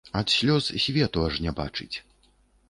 Ад слёз свету аж не бачаць.